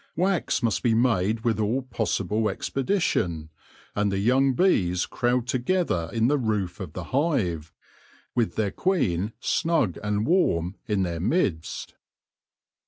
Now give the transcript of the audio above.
Wax must be made with all possible expedition, and the young bees crowd together in the roof of the hive, with their queen snug and warm in their midst.